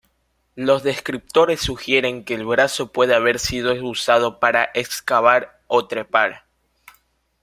Los descriptores sugieren que el brazo puede haber sido usado para excavar o trepar.